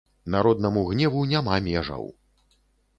Народнаму гневу няма межаў.